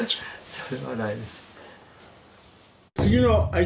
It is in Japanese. ・それはないです。